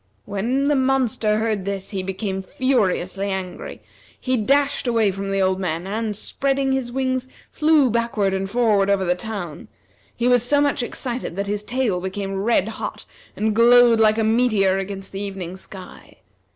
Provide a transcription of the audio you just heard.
When the monster heard this, he became furiously angry. He dashed away from the old men and, spreading his wings, flew backward and forward over the town. He was so much excited that his tail became red hot, and glowed like a meteor against the evening sky.